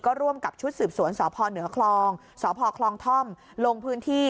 ร่วมกับชุดสืบสวนสพเหนือคลองสพคลองท่อมลงพื้นที่